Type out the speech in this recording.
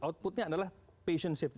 outputnya adalah patient safety